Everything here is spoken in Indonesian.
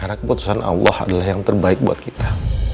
karena keputusan allah adalah yang terbaik buat kita